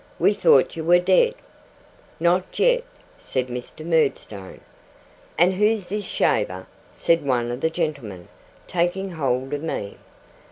We thought you were dead!' 'Not yet,' said Mr. Murdstone. 'And who's this shaver?' said one of the gentlemen, taking hold of me.